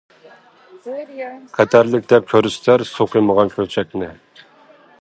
خەتەرلىك دەپ كۆرسىتەر، سۇ قويمىغان كۆلچەكنى.